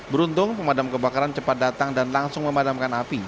beruntung pemadam kebakaran cepat datang dan langsung memadamkan api